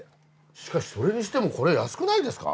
しかしそれにしてもこれ安くないですか？